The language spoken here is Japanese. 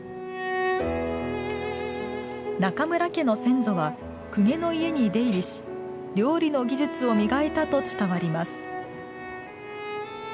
中村家の先祖は公家の家に出入りし料理の技術を磨いたと伝わります。